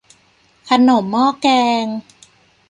ขนมหม้อแกง